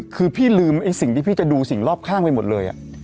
คือพี่ลืมไอ้สิ่งที่พี่จะดูสิ่งรอบข้างไปหมดเลย